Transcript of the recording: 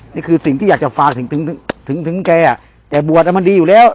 นี่คือสิ่งที่อยากจะฝากถึงถึงถึงแกอ่ะแต่บวชอ่ะมันดีอยู่แล้ว